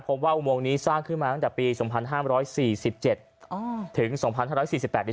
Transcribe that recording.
ผมว่าอุโมงนี้สร้างขึ้นมาฝรั่งปี๒๕๔๗๒๕๔๘ช่วงนั้น